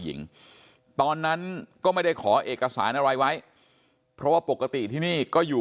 หญิงตอนนั้นก็ไม่ได้ขอเอกสารอะไรไว้เพราะว่าปกติที่นี่ก็อยู่